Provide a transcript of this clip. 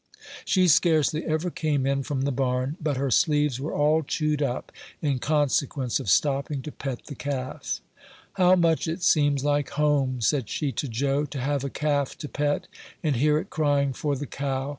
She scarcely ever came in from the barn but her sleeves were all chewed up, in consequence of stopping to pet the calf. "How much it seems like home," said she to Joe, "to have a calf to pet, and hear it crying for the cow!